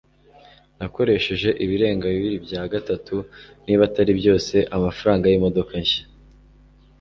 nakoresheje ibirenga bibiri bya gatatu, niba atari byose, amafaranga yimodoka nshya